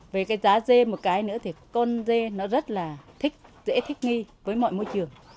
về cái giá dê một cái nữa thì con dê nó rất là thích dễ thích nghi với mọi môi trường